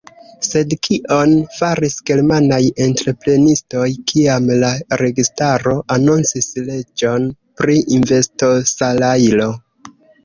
Sed kion faris germanaj entreprenistoj, kiam la registaro anoncis leĝon pri investosalajro?